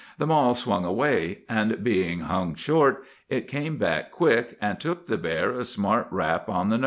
The mall swung away; and being hung short, it came back quick, and took the bear a smart rap on the nose.